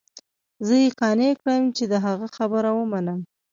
زه يې قانع كړم چې د هغه خبره ومنم.